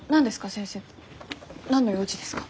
先生何の用事ですか？